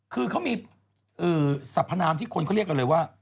คือเขามีสัพพนามที่คนเขาเรียกว่า